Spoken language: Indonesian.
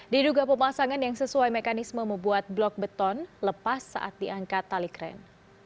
diduga pemasangan yang sesuai mekanisme membuat blok beton lepas saat diangkat tali kren